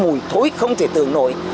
mùi hô thối không thể tưởng nổi